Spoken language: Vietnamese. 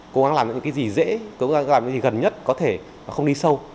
cố gắng làm những cái gì dễ cố gắng làm cái gì gần nhất có thể không đi sâu